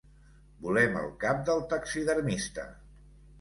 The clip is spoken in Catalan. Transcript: Volem el cap del taxidermista.